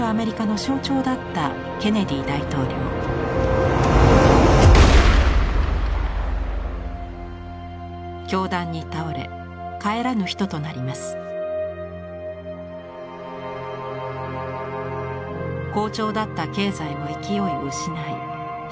好調だった経済も勢いを失い失業率が上昇。